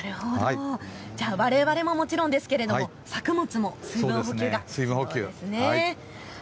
じゃあわれわれももちろんですが作物も水分補給が必要ですね。